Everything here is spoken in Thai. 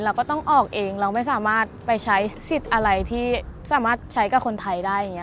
เราก็ต้องออกเองเราไม่สามารถไปใช้สิทธิ์อะไรที่สามารถใช้กับคนไทยได้อย่างนี้